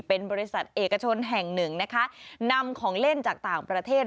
เป็นบริษัทเอกชนแห่งหนึ่งนะคะนำของเล่นจากต่างประเทศ